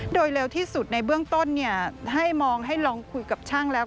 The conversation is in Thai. โดยเร็วที่สุดในเบื้องต้นให้มองให้ลองคุยกับช่างแล้ว